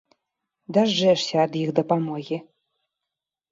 Дажджэшся ад іх дапамогі.